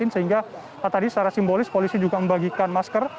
sehingga tadi secara simbolis polisi juga membagikan masker